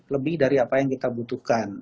lebih dari apa yang kita butuhkan